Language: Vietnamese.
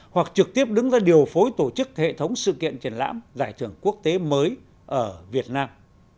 hoặc trực tiếp đứng ra điều phối tổ chức hệ thống sự kiện triển lãm giải thưởng quốc tế mới ở việt nam